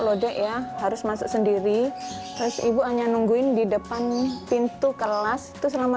lode ya harus masuk sendiri terus ibu hanya nungguin di depan pintu kelas itu selama